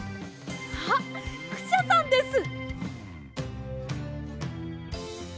あっクシャさんです！